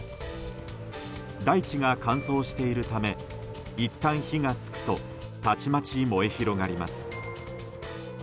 大地が乾燥しているためいったん火が付くとたちまち燃え広がります。